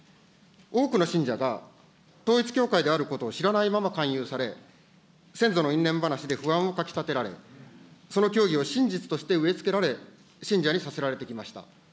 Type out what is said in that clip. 多くの信者が統一教会であることを知らないまま勧誘され、先祖の因縁話で不安をかき立てられ、その教義を真実として植えつけられ、信者にさせられてきました。